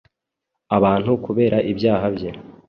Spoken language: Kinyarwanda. abantu kubera ibyaha bye